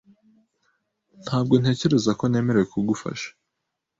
Ntabwo ntekereza ko nemerewe kugufasha.